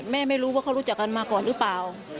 ไม่รู้ว่าเขารู้จักกันมาก่อนหรือเปล่า